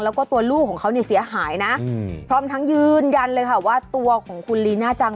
แล้วก็ตัวลูกของเขาเนี่ยเสียหายนะพร้อมทั้งยืนยันเลยค่ะว่าตัวของคุณลีน่าจัง